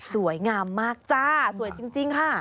สวยงามมากจ้าสวยจริงค่ะ